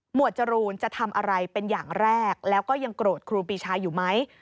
จรูนจะทำอะไรเป็นอย่างแรกแล้วก็ยังโกรธครูปีชาอยู่ไหม